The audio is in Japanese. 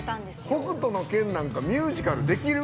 「北斗の拳」なんかミュージカルできる？